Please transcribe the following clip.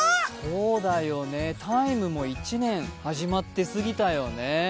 そうだよね、「ＴＩＭＥ，」も１年始まってから過ぎたよね。